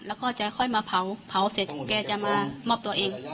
แล้วก็จะค่อยมาเผาเสร็จแกจะมามอบตัวเอง